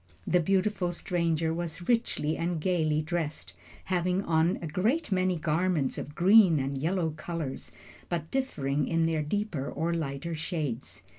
The beautiful stranger was richly and gaily dressed, having on a great many garments of green and yellow colors, but differing in their deeper or lighter shades.